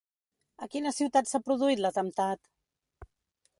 A quina ciutat s'ha produït l'atemptat?